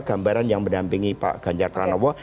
gambaran yang mendampingi pak ganjar pranowo